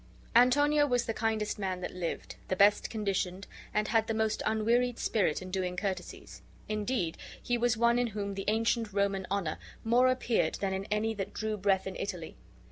Antonio was the kindest man that lived, the best conditioned, and had the most unwearied spirit in doing courtesies; indeed, he was one in whom the ancient Roman honor more appeared than in any that drew breath in Italy.